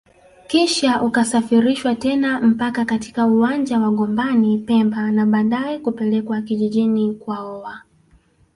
kisha ukasafirishwa tena mpaka katika uwanja wa Gombani pemba na baadae kupelekwa kijijini kwaoa